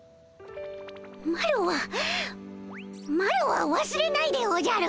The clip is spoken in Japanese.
マロはマロはわすれないでおじゃる！